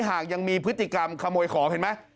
หากยังมีพฤติกรรมขโมยของเห็นไหม